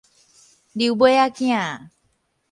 溜尾仔囝